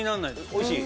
おいしい？